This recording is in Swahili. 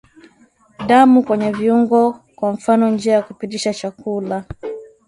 Damu kwenye viungo kwa mfano njia ya kupitisha chakula